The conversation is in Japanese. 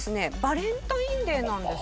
バレンタインデーなんだ。